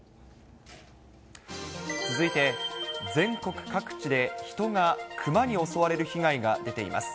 続いて、全国各地で人がクマに襲われる被害が出ています。